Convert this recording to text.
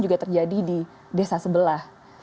juga terjadi di desa sebelah